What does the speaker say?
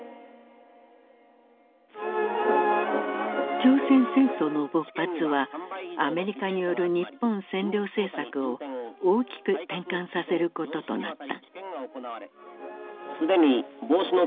朝鮮戦争の勃発はアメリカによる日本占領政策を大きく転換させることとなった。